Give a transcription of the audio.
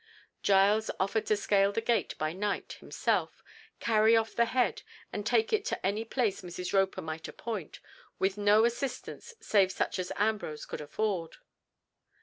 Giles offered to scale the gate by night himself, carry off the head, and take it to any place Mrs. Roper might appoint, with no assistance save such as Ambrose could afford.